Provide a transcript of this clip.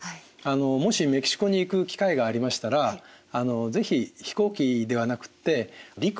もしメキシコに行く機会がありましたら是非飛行機ではなくって陸路でですね